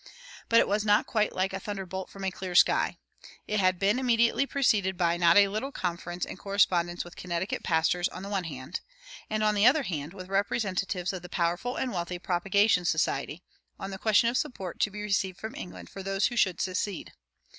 But it was not quite like a thunderbolt from a clear sky. It had been immediately preceded by not a little conference and correspondence with Connecticut pastors on the one hand, and on the other hand with representatives of the powerful and wealthy Propagation Society, on the question of support to be received from England for those who should secede.